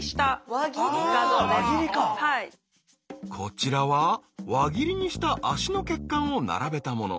こちらは輪切りにした足の血管を並べたもの。